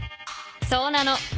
そうなの。